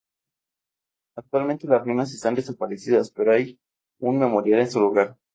Actualmente las ruinas están desaparecidas, pero hay un memorial en su lugar.